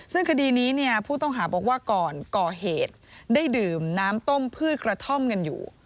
ซึ่งคดีนี้เนี่ยผู้ต้องหาบอกว่าก่อนก่อเหตุได้ดื่มน้ำต้มพืชกระท่อมกันอยู่